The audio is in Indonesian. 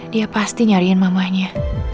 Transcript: dia pasti nyariin mamanya